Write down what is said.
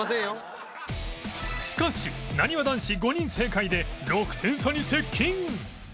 しかしなにわ男子５人正解で６点差に接近！